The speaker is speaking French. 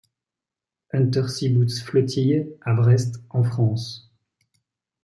Unterseebootsflottille à Brest en France.